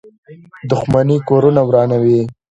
• دښمني کورونه ورانوي.